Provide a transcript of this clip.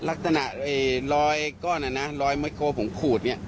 ลักษณะรอยก้อนนะรอยมะโกผมขูดเนี่ย